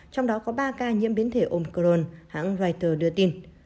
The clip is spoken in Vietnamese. trong đó có ba ca nhiễm biến thể ômcoron hãng reuters đưa tin